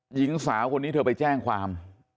หญิงสาวคนนี้เธอไปแจ้งความ